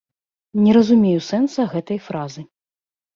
Не разумею сэнса гэтай фразы.